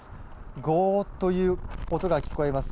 ゴーという音が聞こえます。